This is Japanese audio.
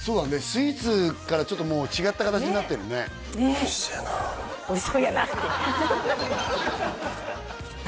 スイーツからちょっともう違った形になってるねおいしそうやな「おいしそうやな」ってハハハハ何？